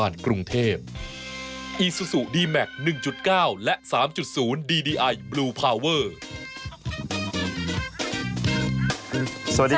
วันนี้คุณพี่มดดำกำลังติดสถานการณ์รถติดข้างนอกอย่างน้อย